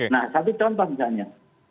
nah satu contoh misalnya